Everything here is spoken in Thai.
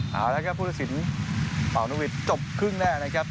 แล้วครับผู้ทศิลป์เป่านุวิทย์จบครึ่งแรกนะครับ